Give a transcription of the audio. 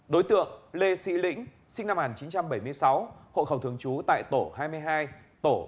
đối tượng lê sĩ lĩnh sinh năm một nghìn chín trăm bảy mươi sáu hộ khẩu thường trú tại xã quảng ninh huyện thiệu hóa tỉnh thanh hóa